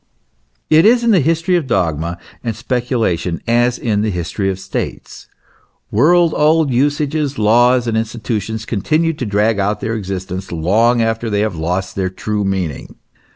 It is in the history of dogma and speculation as in the history of states. World old usages, laws, and institutions, continue to drag out their existence long after they have lost their true meaning.